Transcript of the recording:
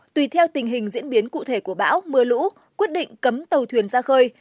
tùy theo tình hình diễn biến cụ thể của bão mưa lũ quyết định cấm tàu thuyền ra khơi